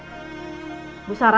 kau mau ke tempat apa